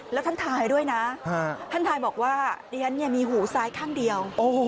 แล้วท่านทายด้วยนะท่านถ่ายบอกว่าดิฉันมีหูซ้ายข้างเดียว